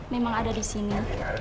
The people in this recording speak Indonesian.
memang ada di sini